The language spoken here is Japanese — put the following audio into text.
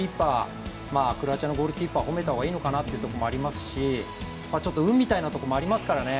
クロアチアのゴールキーパーを褒めた方がいいのかなというところもありますしちょっと運みたいなところもありますからね。